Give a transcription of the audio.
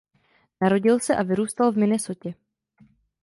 Narodil se a vyrůstal v Minnesotě.